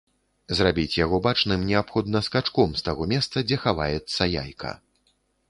Зрабіць яго бачным неабходна скачком з таго месца, дзе хаваецца яйка.